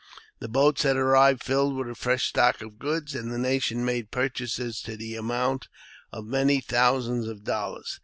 The boats had arrived filled with a fresh stock of goods, and the nation made purchases to the amount of many thousands of dollars.